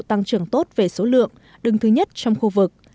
tăng trưởng tốt về số lượng đứng thứ nhất trong khu vực